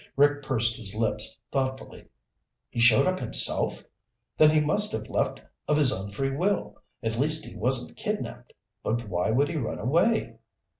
Rick pursed his lips thoughtfully. "He showed up himself? Then he must have left of his own free will. At least he wasn't kidnapped. But why would he run away?"